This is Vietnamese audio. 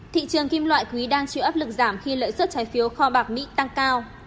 thị trường kim loại quý đang chịu áp lực giảm khi lợi suất trái phiếu kho bạc mỹ tăng cao